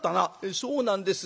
「そうなんです。